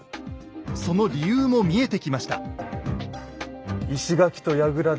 その理由も見えてきました。